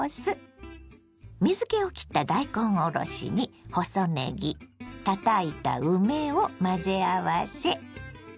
水けをきった大根おろしに細ねぎたたいた梅を混ぜ合わせ。